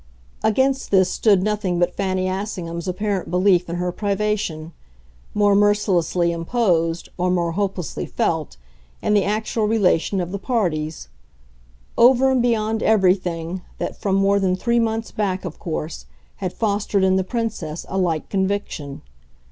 Against this stood nothing but Fanny Assingham's apparent belief in her privation more mercilessly imposed, or more hopelessly felt, in the actual relation of the parties; over and beyond everything that, from more than three months back, of course, had fostered in the Princess a like conviction.